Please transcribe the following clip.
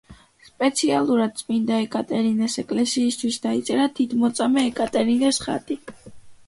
სპეციალურად წმინდა ეკატერინეს ეკლესიისთვის დაიწერა დიდმოწამე ეკატერინეს ხატი.